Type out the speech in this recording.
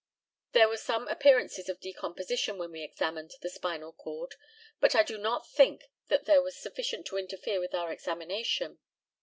There were some appearances of decomposition when we examined the spinal cord, but I do not think that there was sufficient to interfere with our examination.